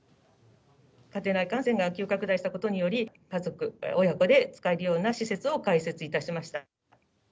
家庭内感染が急拡大したことにより、家族、親子で使えるような施設を開設いたしました。